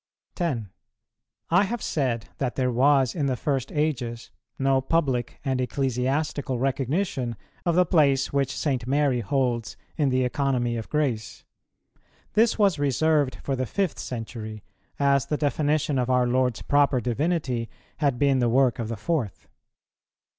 10. I have said that there was in the first ages no public and ecclesiastical recognition of the place which St. Mary holds in the Economy of grace; this was reserved for the fifth century, as the definition of our Lord's proper Divinity had been the work of the fourth.